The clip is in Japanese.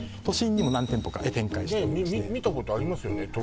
都心にも何店舗か展開してまして見たことありますよね